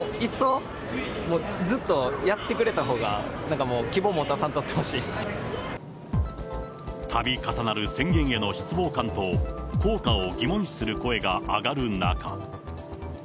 なんやったらもう、いっそずっとやってくれたほうが、なんかもう、たび重なる宣言への失望感と、効果を疑問視する声が上がる中。